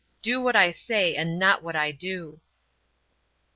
Do what I say, and not what I do."